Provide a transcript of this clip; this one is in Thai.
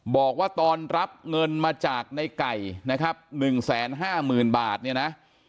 บอกว่าตอนรับเงินมาจากในไก่นะครับหนึ่งแสนห้ามืนบาทเนี้ยนะ